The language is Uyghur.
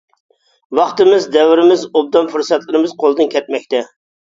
ۋاقتىمىز، دەۋرىمىز، ئوبدان پۇرسەتلىرىمىز قولدىن كەتمەكتە.